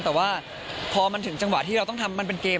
เอาไปฟังน้องแบงค์เลยค่ะ